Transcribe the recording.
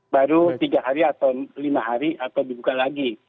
baru tiga hari atau lima hari atau dibuka lagi